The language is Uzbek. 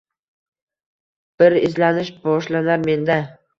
Bir izlanish boshlanar menda